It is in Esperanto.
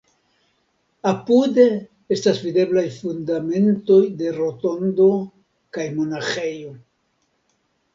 Apude estas videblaj fundamentoj de rotondo kaj monaĥejo.